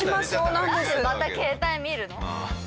なんでまた携帯見るの？